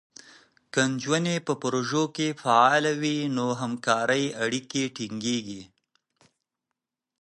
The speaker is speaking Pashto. که نجونې په پروژو کې فعاله وي، نو همکارۍ اړیکې ټینګېږي.